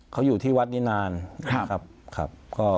เขาอยู่ที่วัดนี้นานครับ